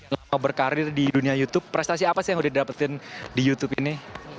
lama berkarir di dunia youtube prestasi apa sih yang udah didapetin di youtube ini